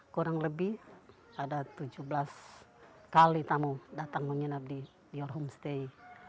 kurang lebih ada tujuh belas kali tamu datang menginap di your homestay